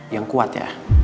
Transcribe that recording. yang kuat ya